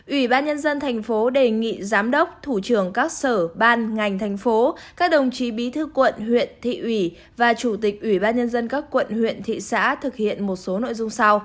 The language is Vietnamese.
ủy ban nhân dân thành phố đề nghị giám đốc thủ trưởng các sở ban ngành thành phố các đồng chí bí thư quận huyện thị ủy và chủ tịch ủy ban nhân dân các quận huyện thị xã thực hiện một số nội dung sau